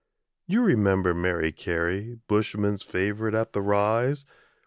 You remember Mary Carey, Bushmen's favourite at the Rise?